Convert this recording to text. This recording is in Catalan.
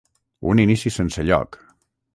Un inici sense lloc.